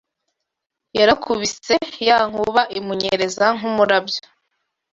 Yarakubise ya nkuba Imunyereza nk’umurabyo